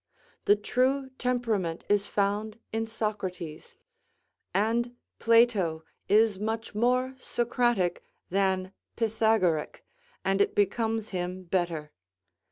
The true temperament is found in Socrates; and, Plato is much more Socratic than Pythagoric, and it becomes him better.